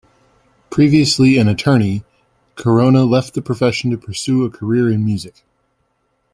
Previously an attorney, Korona left the profession to pursue a career in music.